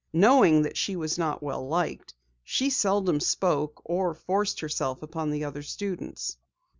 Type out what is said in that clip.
Knowing that she was not well liked, she seldom spoke or forced herself upon the other students.